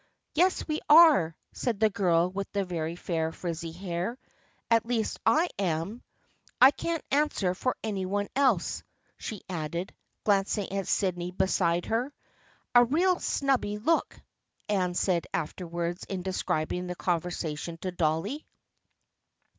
" Yes, we are," said the girl with the very fair frizzy hair. " At least I am. I can't answer for any one else," she added, glancing at Sydney beside her (" a real snubby look," Anne said afterwards in describing the conversation to Dolly).